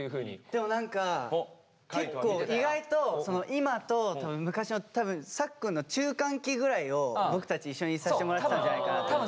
でも何か結構意外と今と昔の多分さっくんの中間期ぐらいを僕たち一緒にいさせてもらってたんじゃないかなと思って。